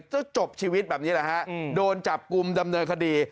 จบชีวิตแบบนี้แหละฮะโดนจับกลุ่มดำเนินคดี